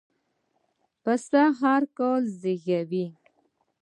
پسه هرکال زېږوي.